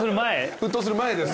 沸騰する前です。